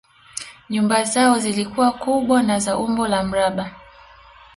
Nyumba zao zilikuwa kubwa na za umbo la mraba